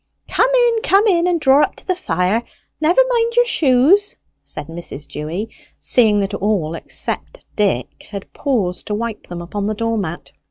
"Come in, come in, and draw up to the fire; never mind your shoes," said Mrs. Dewy, seeing that all except Dick had paused to wipe them upon the door mat.